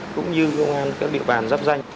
cũng như công an các địa bàn giáp danh